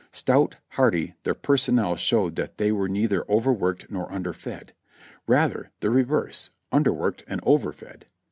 Stout, hearty, their personnel showed that they were neither over worked nor under fed; rather the reverse, under worked and over fed.